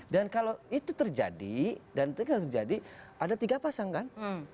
kalau itu terjadi dan itu kan terjadi ada tiga pasang kan